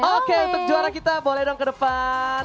oke untuk juara kita boleh dong ke depan